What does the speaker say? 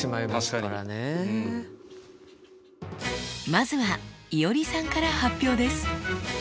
まずはいおりさんから発表です。